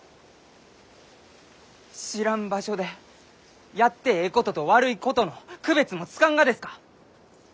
知らん場所でやってえいことと悪いことの区別もつかんがですか？